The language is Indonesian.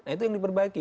itu yang diperbaiki